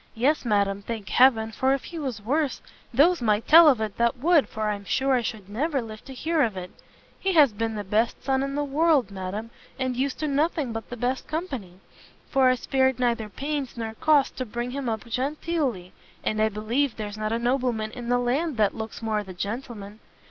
"Yes, madam, thank heaven, for if he was worse, those might tell of it that would, for I'm sure I should never live to hear of it. He has been the best son in the world, madam, and used [to] nothing but the best company, for I spared neither pains nor cost to bring him up genteely, and I believe there's not a nobleman in the land that looks more the gentleman.